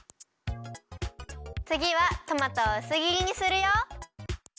つぎはトマトをうすぎりにするよ。